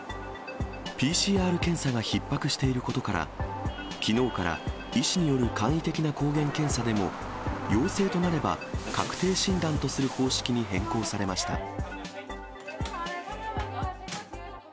ＰＣＲ検査がひっ迫していることから、きのうから、医師による簡易的な抗原検査でも、陽性となれば、確定診断とする方式に変更されました。